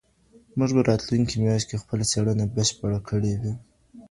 موږ به راتلونکي میاشت خپله څېړنه بشپړه کړې وي.